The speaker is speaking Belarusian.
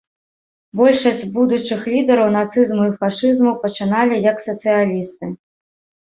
Большасць будучых лідараў нацызму і фашызму пачыналі як сацыялісты.